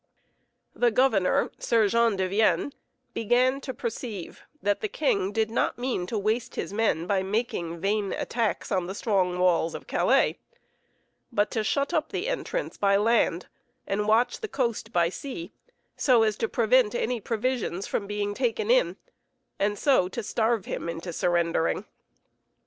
The governor, Sir Jean de Vienne, began to perceive that the king did not mean to waste his men by making vain attacks on the strong walls of Calais, but to shut up the entrance by land, and watch the coast by sea so as to prevent any provisions from being taken in, and so to starve him into surrendering.